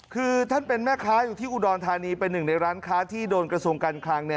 คือท่านเป็นแม่ค้าอยู่ที่อุดรธานีเป็นหนึ่งในร้านค้าที่โดนกระทรวงการคลัง